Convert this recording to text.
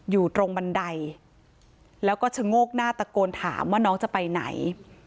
อยู่ตรงบันไดแล้วก็ชะโงกหน้าตะโกนถามว่าน้องจะไปไหน